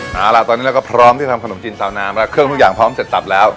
เอาล่ะตอนนี้เราก็พร้อมที่ทำขนมจีนซาวน้ำแล้วเครื่องทุกอย่างพร้อมเสร็จสับแล้ว